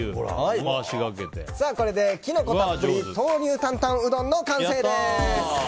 これで、キノコたっぷり豆乳担々うどんの完成です。